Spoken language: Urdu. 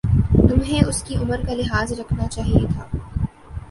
تمہیں اسکی عمر کا لحاظ رکھنا چاہیۓ تھا